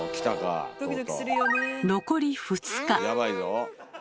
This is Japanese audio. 残り２日。